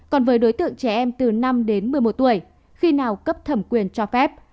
còn với đối tượng trẻ em từ năm đến một mươi một tuổi khi nào cấp thẩm quyền cho phép